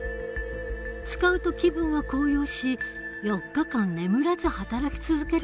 使うと気分は高揚し４日間眠らず働き続ける事もできた。